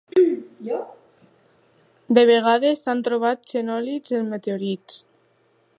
De vegades s'han trobat xenòlits en meteorits.